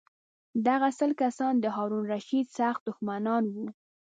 دغه سل کسان د هارون الرشید سخت دښمنان وو.